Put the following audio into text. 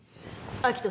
明人！